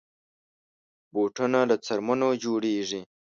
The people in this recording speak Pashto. بوټونه له څرمنو جوړېږي.